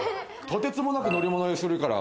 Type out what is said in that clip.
とてつもなく乗り物酔いするから。